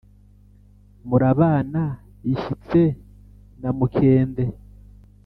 murabana yishyitse na mukende.